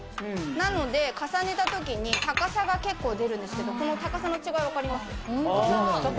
なので、重ねたときに高さが結構出るんですけど、この高さの違い、分かります？